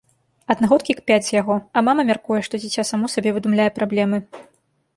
Аднагодкі кпяць з яго, а мама мяркуе, што дзіця само сабе выдумляе праблемы.